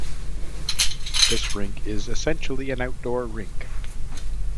This rink is essentially an outdoor rink.